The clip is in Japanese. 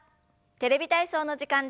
「テレビ体操」の時間です。